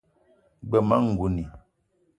G-beu ma ngouni